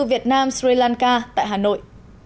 việt nam sri lanka tại hà nội